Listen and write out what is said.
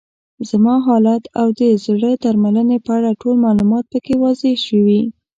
زما حالت او د زړې درملنې په اړه ټول معلومات پکې واضح شوي.